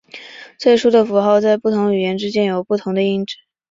最初的符号在不同语言之间有不同的音值。